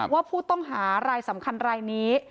ว่าผู้ต้องหารายสำคัญรายนี้